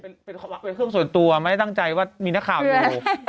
เป็นเครื่องส่วนตัวไม่ได้ตั้งใจว่ามีนักข่าวอยู่